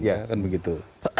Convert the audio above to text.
ya kan begitu